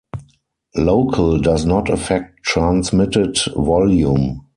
"Local" does not affect transmitted volume.